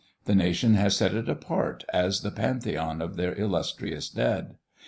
The nation has set it apart as the pantheon of their illustrious dead.